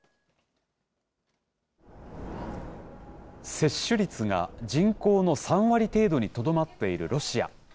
接種率が人口の３割程度にとどまっているロシア。